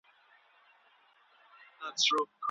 رواني سلامتیا د بریالي ژوند کلی ده.